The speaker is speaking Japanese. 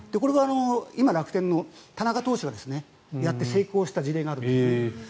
今、楽天の田中投手がやって成功した事例があるんですね。